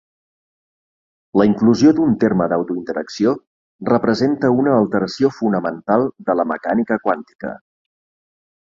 La inclusió d'un terme d'autointeracció representa una alteració fonamental de la mecànica quàntica.